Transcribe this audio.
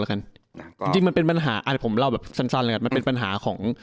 เอาแต่ว่าผมเล่ามันปรับสั่น